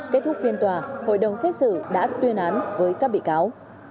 kết thúc phiên tòa hội đồng xét xử đã tuyên án với các bị cáo